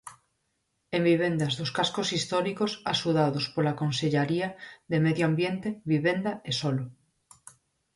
En vivendas dos cascos históricos, axudados pola Consellaría de Medio Ambiente, Vivenda e Solo.